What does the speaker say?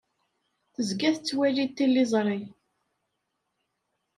Tezga tettwali tiliẓri.